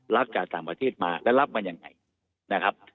จากต่างประเทศมาแล้วรับมันยังไงนะครับ